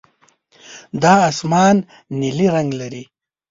دا اسمان نیلي رنګ لري.